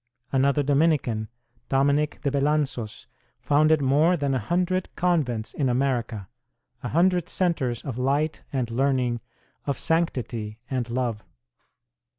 Another Dominican, Dominic de Delates, founded more than a hun dred convents in America a hundred centres of light and learning, of sanctity and love.